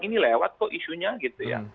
ini lewat kok isunya gitu ya